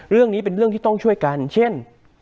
เรื่องนี้เป็นเรื่องที่ต้องช่วยกันเช่น